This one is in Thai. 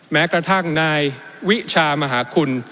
แม้กระทั่งนายวิชามหาคุณ